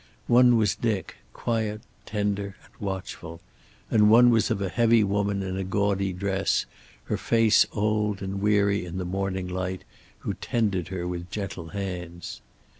One was Dick, quiet, tender and watchful. And one was of a heavy woman in a gaudy dress, her face old and weary in the morning light, who tended her with gentle hands.